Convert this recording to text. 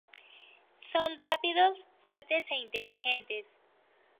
Son rápidos, fuertes e inteligentes.